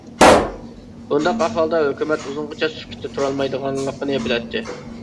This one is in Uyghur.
بۇنداق ئەھۋالدا ھۆكۈمەت ئۇزۇنغىچە سۈكۈتتە تۇرالمايدىغانلىقىنى بىلەتتى .